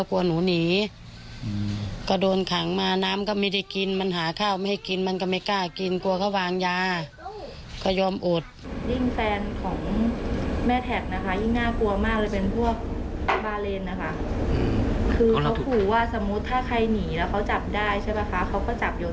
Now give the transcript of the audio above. คือเขาขู่ว่าสมมุติถ้าใครหนีแล้วเขาจับได้ใช่ไหมคะเขาก็จับอยู่